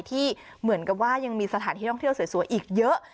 ที่เหมือนกับว่ายังมีสถานที่ท่องเที่ยวสวยอีกเยอะ